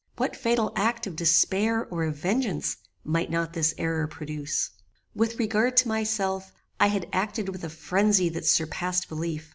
What fatal act of despair or of vengeance might not this error produce? "With regard to myself, I had acted with a phrenzy that surpassed belief.